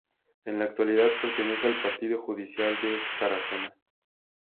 En la actualidad pertenece al partido judicial de Tarazona.